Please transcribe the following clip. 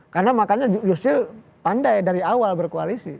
karena makanya yusril pandai dari awal berkoalisi